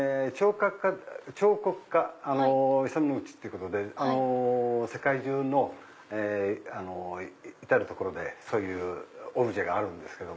彫刻家イサム・ノグチっていうことで世界中の至る所でそういうオブジェがあるんです。